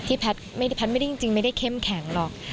แพทย์ไม่ได้จริงไม่ได้เข้มแข็งหรอก